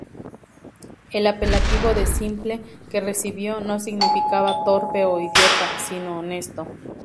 El apelativo de "simple", que recibió, no significaba "torpe" o "idiota", sino "honesto".